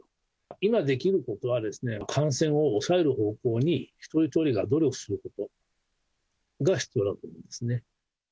今できることはですね、感染を抑える方向に一人一人が努力することが必要だと思いますね。